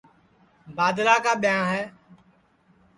بادلا کا ٻیاں ہے